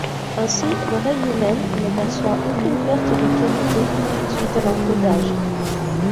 Ainsi l’oreille humaine ne perçoit aucune perte de qualité suite à l’encodage.